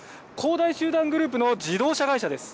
大集団グループの自動車会社です。